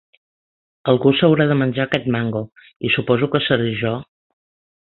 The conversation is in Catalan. Algú s'haurà de menjar aquest mango, i suposo que seré jo.